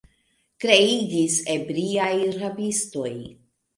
kriegis ebriaj rabistoj.